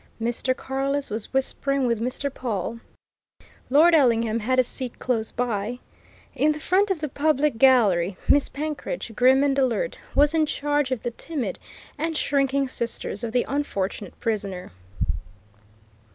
Mr. Carless was whispering with Mr. Pawle; Lord Ellingham had a seat close by; in the front of the public gallery Miss Penkridge, grim and alert, was in charge of the timid and shrinking sisters of the unfortunate prisoner.